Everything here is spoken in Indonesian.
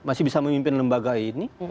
masih bisa memimpin lembaga ini